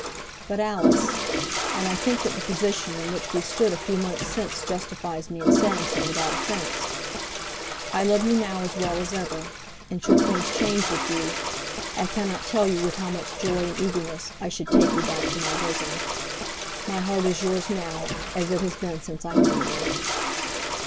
But, Alice, and I think that the position in which we stood a few months since justifies me in saying so without offence, I love you now as well as ever, and should things change with you, I cannot tell you with how much joy and eagerness I should take you back to my bosom. My heart is yours now as it has been since I knew you."